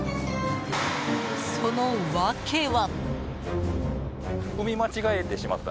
その訳は。